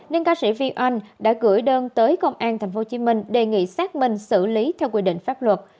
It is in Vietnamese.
nên ca sĩ vi oanh đã gửi đơn tới công an tp hcm đề nghị xác minh xử lý theo quy định pháp luật